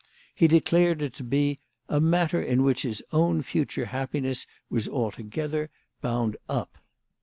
He declared it to be " a matter in which his own future happiness was altogether bound up."